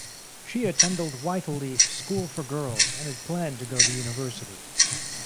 She attended Whyteleafe School for Girls and had planned to go to university.